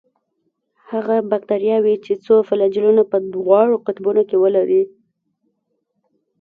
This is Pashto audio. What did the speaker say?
هغه باکتریاوې چې څو فلاجیلونه په دواړو قطبونو کې ولري.